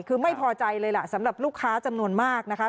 คือไม่พอใจเลยล่ะสำหรับลูกค้าจำนวนมากนะคะ